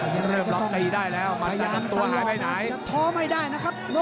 มันกระตาตัวหายไปไหน